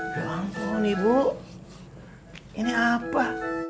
ya ampun ibu ini apa